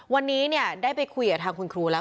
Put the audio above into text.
วันนี้ได้ไปคุยกับทางคุณครูแล้ว